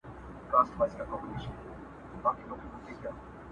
په سِن پوخ وو زمانې وو آزمېیلی!!